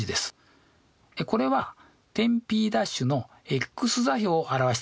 これは点Ｐ′のｘ座標を表していますよね。